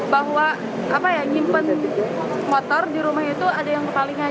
bahwa apa ya nyimpen motor di rumah itu ada yang kepalingan